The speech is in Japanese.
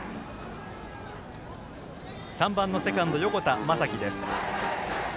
３番のセカンド横田優生です。